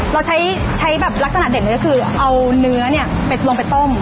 เราใช้ลักษณะเด่นเลยคือเอาเนื้อลงไปต้ม